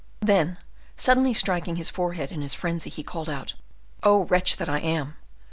Then, suddenly striking his forehead in his frenzy, he called out, "Oh wretch that I am!